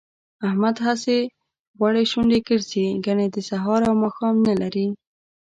احمد هسې غوړې شونډې ګرځي، ګني د سهار او ماښام نه لري